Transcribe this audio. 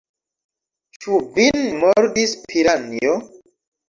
Ĉu vin mordis piranjo?